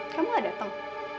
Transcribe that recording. kamu ga dateng